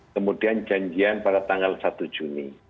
kemudian janjian pada tanggal satu juni